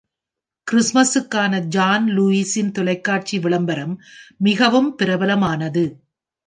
கிறிஸ்மஸுக்கான John லூயிஸின் தொலைக்காட்சி விளம்பரம் மிகவும் பிரபலமானது